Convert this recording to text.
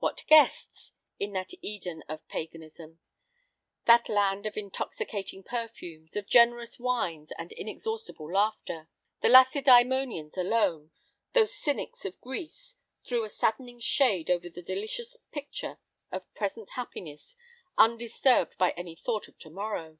what guests! in that Eden of paganism that land of intoxicating perfumes, of generous wines, and inexhaustible laughter! The Lacedæmonians alone, those cynics of Greece, threw a saddening shade over the delicious picture of present happiness undisturbed by any thought of to morrow.